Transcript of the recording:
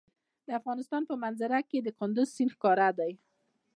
د افغانستان په منظره کې کندز سیند ښکاره ده.